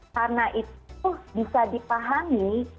karena itu bisa dipahami